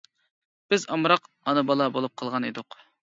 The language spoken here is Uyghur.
بىز ئامراق ئانا-بالا بولۇپ قالغان ئىدۇق.